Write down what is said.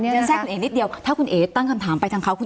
ทำใจคุณเองนิดเดียวถ้าคุณเอ๋ตั้งคำถามไปทั้งเขา